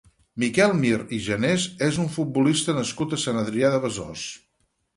Miquel Mir i Genés és un futbolista nascut a Sant Adrià de Besòs.